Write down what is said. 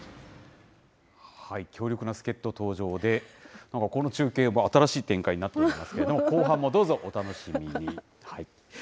強力な助っ人登場で、この中継、新しい展開になっていますけれども、後半もどうぞ、お楽しみに。